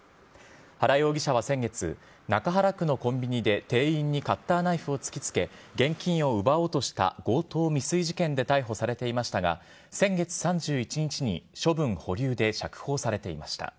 原容疑者は先月、中原区のコンビニで店員にカッターナイフを突きつけ、現金を奪おうとした強盗未遂事件で逮捕されていましたが、先月３１日に処分保留で釈放されていました。